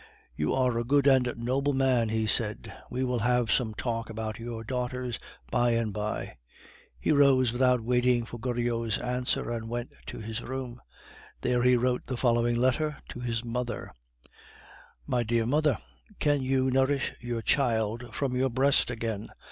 "You are a good and noble man," he said. "We will have some talk about your daughters by and by." He rose without waiting for Goriot's answer, and went to his room. There he wrote the following letter to his mother: "My Dear Mother, Can you nourish your child from your breast again?